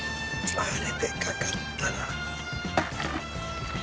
あれでかかったなあ。